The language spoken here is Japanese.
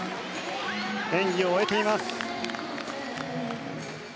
演技を終えています。